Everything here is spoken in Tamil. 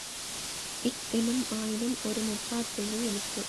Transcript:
ஃ எனும் ஆய்தம் ஒரு முப்பாற்புள்ளி எழுத்து